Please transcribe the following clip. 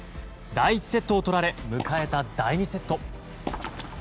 第１セットを取られ迎えた第２セット。